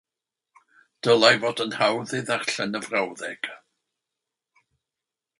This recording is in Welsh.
dylai fod yn hawdd i ddarllen y frawddeg